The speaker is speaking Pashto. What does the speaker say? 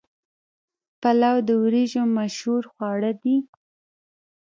پلاو د وریجو مشهور خواړه دي.